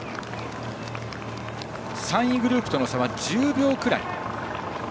３位グループとの差は１０秒くらい。